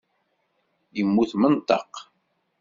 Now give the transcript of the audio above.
Yemmut menṭeq.